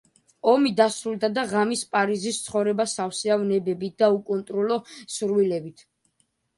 ომი დასრულდა და ღამის პარიზის ცხოვრება სავსეა ვნებებით და უკონტროლო სურვილებით.